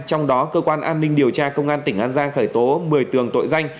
trong đó cơ quan an ninh điều tra công an tỉnh an giang khởi tố một mươi tường tội danh